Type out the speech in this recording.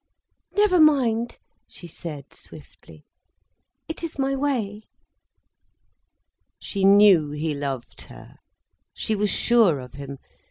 "Never mind," she said swiftly. "It is my way." She knew he loved her; she was sure of him.